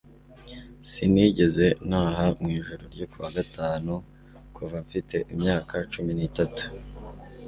Sinigeze ntaha mu ijoro ryo ku wa gatanu kuva mfite imyaka cumi n'itatu